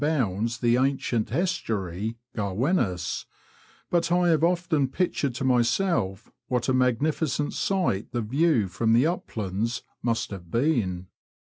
IS bounds the ancient estuary, Garruenos, but I have often pictured to myself what a magnificent sight the view from the uplands must have been.